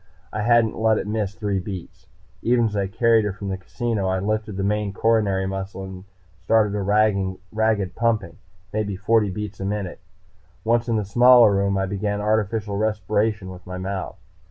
I hadn't let it miss three beats. Even as I carried her from the casino, I lifted the main coronary muscle and started a ragged pumping, maybe forty beats a minute. Once in the smaller room I began artificial respiration with my mouth.